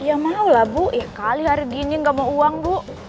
eh iya maulah bu kali hari gini enggak mau uang bu